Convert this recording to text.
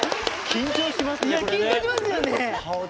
緊張しますよね？